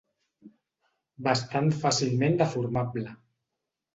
Bastant fàcilment deformable.